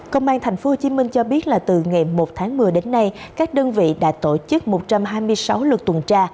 công an tp hcm cho biết là từ ngày một tháng một mươi đến nay các đơn vị đã tổ chức một trăm hai mươi sáu lực tuần tra